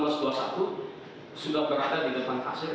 sudah berada di depan kasir